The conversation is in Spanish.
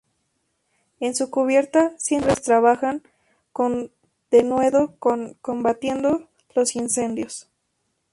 En su cubierta, cientos de hombres trabajaban con denuedo con combatiendo los incendios.